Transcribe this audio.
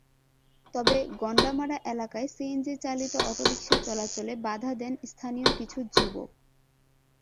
তবে গণ্ডামারা এলাকায় সিএনজিচালিত অটোরিকশা চলাচলে বাধা দেন স্থানীয় কিছু যুবক।